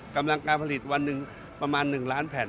กำลังการผลิตวันหนึ่งประมาณ๑ล้านแผ่น